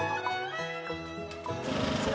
こんにちは。